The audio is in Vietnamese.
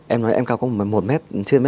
em nói em cao có một m chưa một m ba đúng không